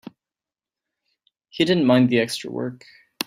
He didn't mind the extra work.